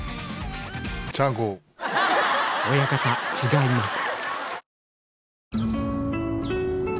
親方違います